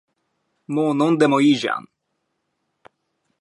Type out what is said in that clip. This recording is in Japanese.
もう飲んでもいいじゃん